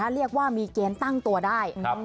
เรียกว่ามีเกณฑ์ตั้งตัวได้